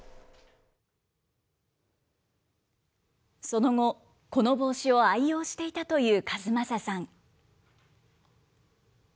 その後、この帽子を愛用していたという和正さん。